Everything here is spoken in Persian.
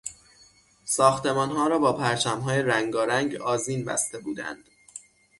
ساختمانها را با پرچمهای رنگارنگ آذین بسته بودند.